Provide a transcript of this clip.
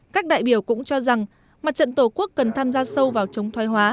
các đại biểu cũng cho rằng mặt trận tổ quốc cần tham gia sâu vào chống thoái hóa